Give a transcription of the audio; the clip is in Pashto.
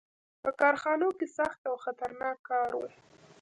• په کارخانو کې سخت او خطرناک کار و.